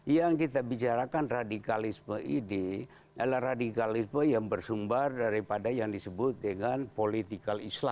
yang kita bicarakan radikalisme ide adalah radikalisme yang bersumbar daripada yang disebut dengan political islam